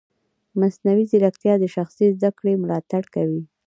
مصنوعي ځیرکتیا د شخصي زده کړې ملاتړ کوي.